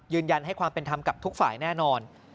ยืนยันให้ความเป็นธรรมกับทุกฝ่ายแน่นอน